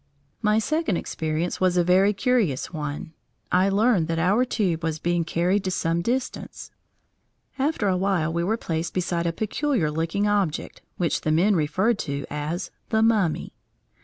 My second experience was a very curious one. I learned that our tube was being carried to some distance. After a while we were placed beside a peculiar looking object, which the men referred to as the "mummy."